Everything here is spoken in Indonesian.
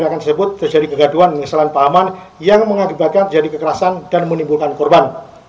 kegaduan tersebut terjadi kegaduan mengisalan pahaman yang mengakibatkan terjadi kekerasan dan menimbulkan korban